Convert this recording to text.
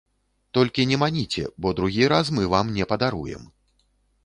Толькі не маніце, бо другі раз мы вам не падаруем.